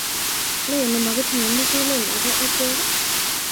lenee mokitinye mugulel ako achek?